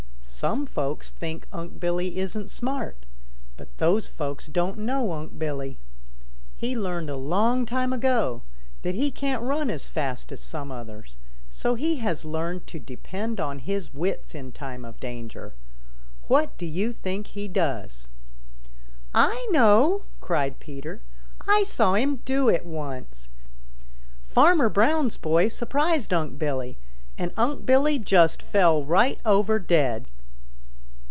"Some folks think Unc' Billy isn't smart, but those folks don't know Unc' Billy. He learned a long time ago that he can't run as fast as some others, so he has learned to depend on his wits in time of danger. What do you think he does?" "I know," cried Peter; "I saw him do it once. Farmer Brown's boy surprised Unc' Billy, and Unc' Billy just fell right over dead."